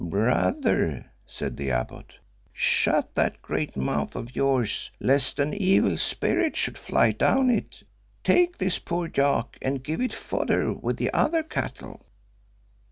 "Brother," said the abbot, "shut that great mouth of yours lest an evil spirit should fly down it; take this poor yak and give it fodder with the other cattle."